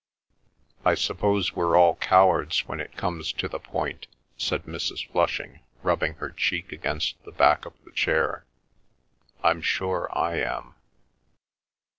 "I suppose we're all cowards when it comes to the point," said Mrs. Flushing, rubbing her cheek against the back of the chair. "I'm sure I am."